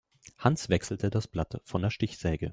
Hans wechselte das Blatt von der Stichsäge.